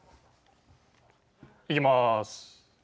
いきます。